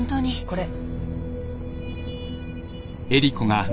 これ。